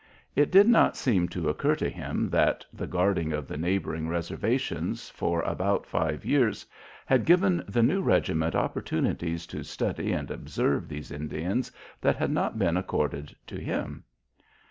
It did not seem to occur to him that the guarding of the neighboring reservations for about five years had given the new regiment opportunities to study and observe these Indians that had not been accorded to him.